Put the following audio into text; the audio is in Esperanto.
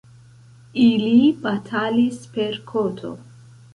Ili batalis per koto.